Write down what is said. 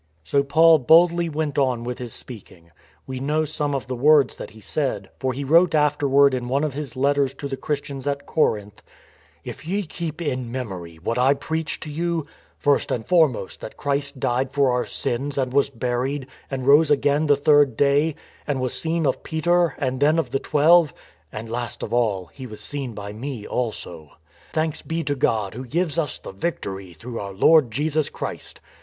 So Paul boldly went on with his speaking. We know some of the words that he said, for he wrote afterward in one of his letters to the Christians at Corinth :" If ye keep in memory what I preached to you I. .. first and foremost that Christ died for our sins and was buried and rose again the third day, and was seen of Peter and then of the Twelve, ... And last of all he was seen by me also. ..." Thanks be to God who gives us the victory through our Lord Jesus Christ.